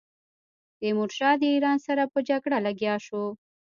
تیمورشاه د ایران سره په جګړه لګیا شو.